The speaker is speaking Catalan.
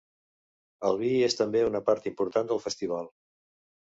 El vi és també una part important del festival.